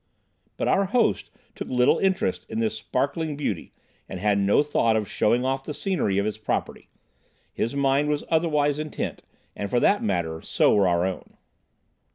But our host took little interest in this sparkling beauty, and had no thought of showing off the scenery of his property. His mind was otherwise intent, and, for that matter, so were our own.